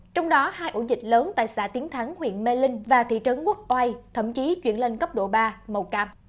trong đó hai ổ dịch lớn tại xã tiến thắng huyện mê linh và thị trấn quốc oai thậm chí chuyển lên cấp độ ba màu cam